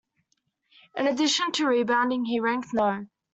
In addition to rebounding, he ranked No.